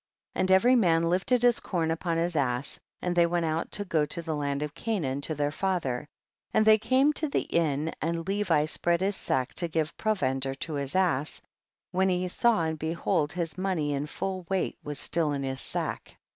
48. And every man lifted his corn upon his ass, and they went out to go to the land of Canaan to their father, and they came to the inn and Levi spread his sack to give pro vender to his ass, when he saw and behold his money in full weight was still in his sack.